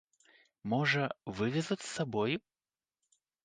Можа, вывезуць з сабою?